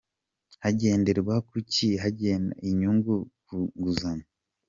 Hagenderwa kuki hagenwa inyungu ku nguzanyo.